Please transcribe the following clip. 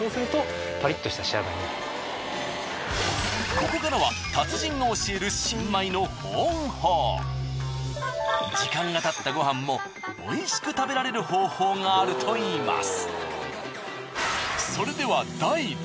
ここからは達人が教える時間が経ったごはんも美味しく食べられる方法があるといいます。